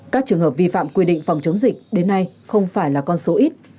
các trường hợp vi phạm quy định phòng chống dịch đến nay không phải là con số ít